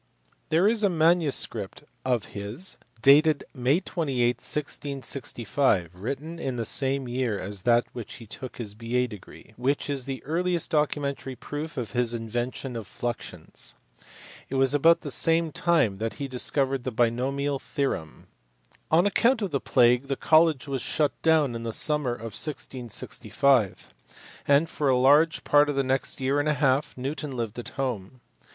There is a manuscript of his, dated May 28, 1665, written in the same year as that in which he took his B.A. degrep^ which is the earliest documentary proof of his invention of fluxions. It was about the same time that he discovered the binomial theorem (see below, pp. 328 ; 348). J^ On account of the plague the college was asai down in the summer of 1665, and for a large part of the next year and a half Newton lived at home.